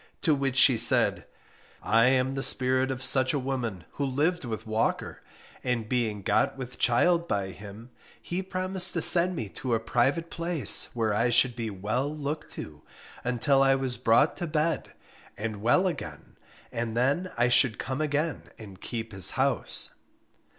To which she said, "I am the spirit of such a woman, who lived with Walker; and being got with child by him, he promised to send me to a private place, where I should be well looked to, until I was brought to bed, and well again, and then I should come again and keep his house."